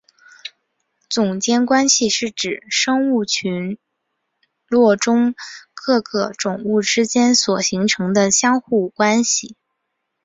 种间关系是指生物群落中各个物种之间所形成相互关系。